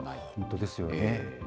本当ですよね。